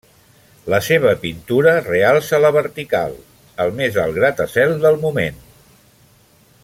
La seva pintura realça la vertical -el més alt gratacel del moment-.